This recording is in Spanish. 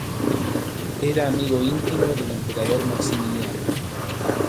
Era amigo íntimo del emperador Maximiliano.